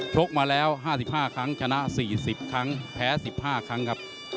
กมาแล้ว๕๕ครั้งชนะ๔๐ครั้งแพ้๑๕ครั้งครับ